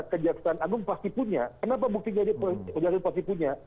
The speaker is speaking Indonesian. kejaksaan agung pasti punya kenapa buktinya dia pasti punya